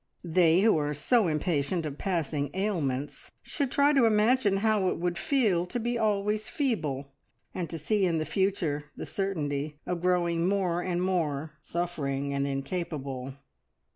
They, who are so impatient of passing ailments, should try to imagine how it would feel to be always feeble, and to see in the future the certainty of growing more and more suffering and incapable.